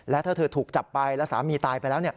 และถ้าเธอถูกจับไปแล้วสามีตายไปแล้ว